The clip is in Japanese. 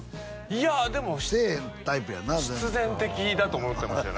いやでもせえへんタイプやな必然的だと思ってましたよ